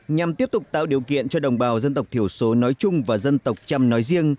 nhằm tiếp tục tạo điều kiện cho đồng bào dân tộc thiểu số nói chung và dân tộc trăm nói riêng